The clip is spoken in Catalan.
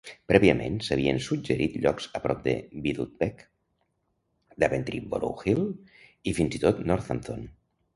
Prèviament, s'havien suggerit llocs a prop de Weedon Bec, Daventry-Borough Hill i fins i tot Northampton.